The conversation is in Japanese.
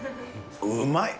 うまい！